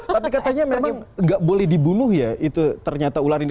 tapi katanya memang nggak boleh dibunuh ya itu ternyata ular ini